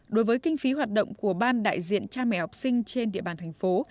đối với kinh phí hoạt động của ban đại diện cha mẹ học sinh trên địa bàn thành phố